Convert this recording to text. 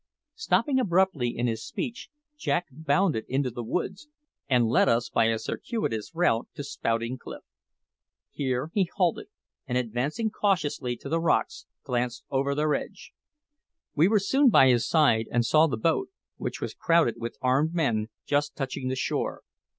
Stopping abruptly in his speech, Jack bounded into the woods, and led us by a circuitous route to Spouting Cliff. Here he halted, and advancing cautiously to the rocks, glanced over their edge. We were soon by his side, and saw the boat, which was crowded with armed men, just touching the shore.